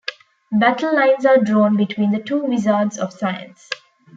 Battle lines are drawn between the two wizards of science.